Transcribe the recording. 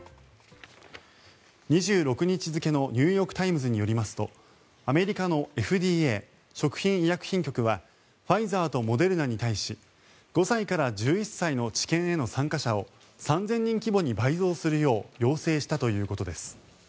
２６日付のニューヨーク・タイムズによりますとアメリカのＦＤＡ・食品医薬品局はファイザーとモデルナに対し５歳から１１歳の治験への参加者を３０００人規模に倍増するよう要請したということです。